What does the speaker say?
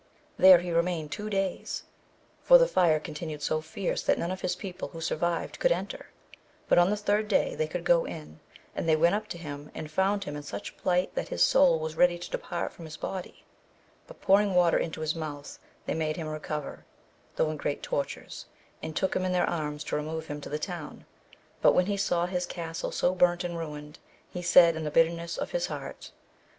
There he re mained two days, for the fire continued so fierce that none of his people who survived could enter, but on the third day they could go in, and they went up to him and found him in such plight that his soul was ready to depart from Ms body; but pouring water into his mouth they made him recover, though in great tortures, and took him in their arms to remove him to the town, but when he saw his castle so burnt and ruined, he said in the bitterness of his heart.